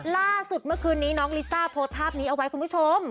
ล่าสุดเมื่อคืนนี้น้องลิซ่าโพสต์ภาพนี้เอาไว้คุณผู้ชม